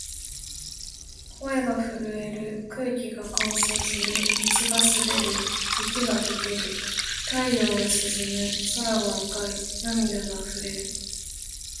声が震える。空気が乾燥する。道が滑る。雪が解ける。太陽が沈む。空が赤い。涙が溢れる。